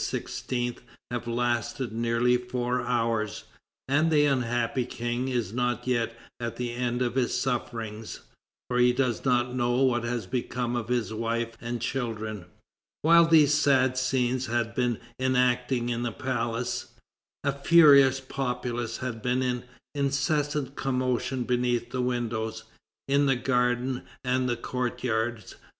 have lasted nearly four hours, and the unhappy King is not yet at the end of his sufferings, for he does not know what has become of his wife and children. While these sad scenes had been enacting in the palace, a furious populace had been in incessant commotion beneath the windows, in the garden and the courtyards.